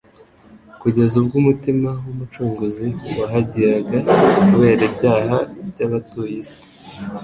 kugeza ubwo umutima w'Umucunguzi wahagiraga kubera ibyaha by'abatuye isi.